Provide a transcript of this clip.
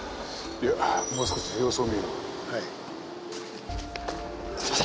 いやもう少し様子を見よう。